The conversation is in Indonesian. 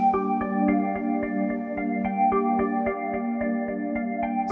ketiga wilayah ini memiliki beberapa titik api yang selalu muncul di sekitar wilayah ini